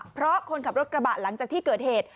เพราะคนขับรถกระบะหลังจากที่เกิดเหตุ